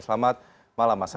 selamat malam mas hadi